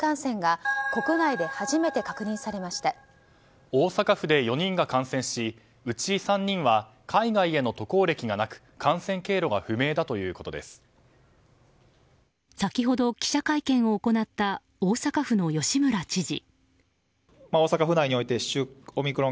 先ほど、記者会見を行った大阪府の吉村知事。